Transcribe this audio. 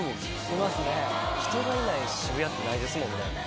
いますね人がいない渋谷ってないですもんね。